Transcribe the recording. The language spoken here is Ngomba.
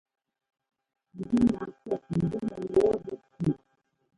Njínaa cʉ́ɛt nzɛ́ nɛ lɔ̌ɔ jʉʼ cʉʉ.